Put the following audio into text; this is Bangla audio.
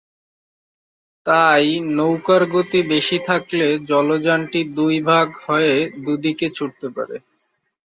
তাই নৌকার গতি বেশি থাকলে জলযানটি দুই ভাগ হয়ে দুদিকে ছুটতে পারে।